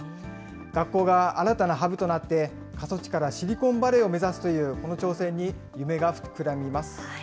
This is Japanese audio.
学校が新たなハブとなって、過疎地からシリコンバレーを目指すというこの挑戦に夢が膨らみます。